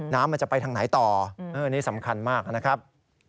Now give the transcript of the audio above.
น้ำมันจะไปทางไหนต่อนี่สำคัญมากนะครับ